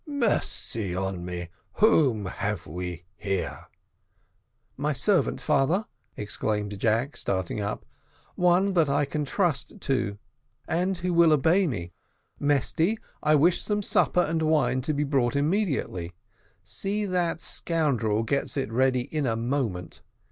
"Mercy on me, whom have we here?" "My servant, father," exclaimed Jack, starting up; "one that I can trust to, and who will obey me. Mesty, I wish some supper and wine to be brought immediately see that scoundrel gets it ready in a moment.